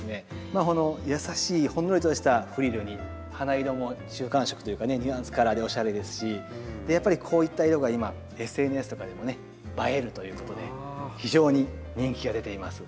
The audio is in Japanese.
まあ優しいほんのりとしたフリルに花色も中間色というかねニュアンスカラーでおしゃれですしやっぱりこういった色が今ＳＮＳとかでもね映えるということで非常に人気が出ています。